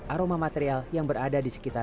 aroma material yang berada di sekitar